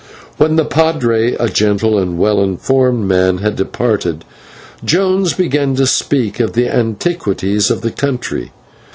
When the /padre/ a gentle and well informed man had departed, Jones began to speak of the antiquities of the country.